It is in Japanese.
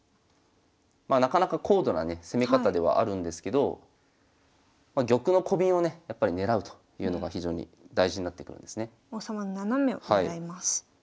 なかなか高度なね攻め方ではあるんですけど玉のコビンをねやっぱりねらうというのが非常に大事になってくるんですね。